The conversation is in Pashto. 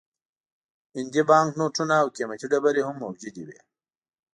هندي بانک نوټونه او قیمتي ډبرې هم موجودې وې.